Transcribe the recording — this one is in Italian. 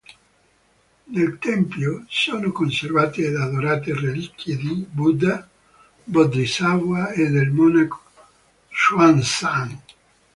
Nel tempio, sono conservate ed adorate, reliquie di Buddha, bodhisattva e del monaco Xuánzàng.